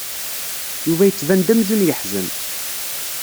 Yuba yettban-d amzun yeḥzen.